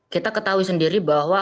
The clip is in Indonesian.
kita ketahui sendiri bahwa